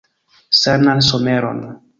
Sanan someron.